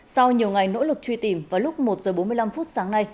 sau nhiều ngày nỗ lực truy tìm vào lúc một h bốn mươi năm sáng nay